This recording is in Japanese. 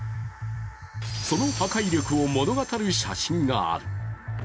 その破壊力を物語る写真がある。